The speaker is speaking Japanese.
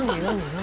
何？